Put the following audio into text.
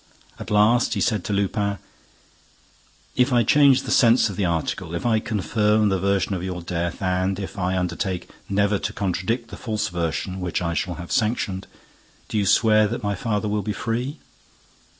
At last, he said to Lupin: "If I change the sense of the article, if I confirm the version of your death and if I undertake never to contradict the false version which I shall have sanctioned, do you swear that my father will be free?"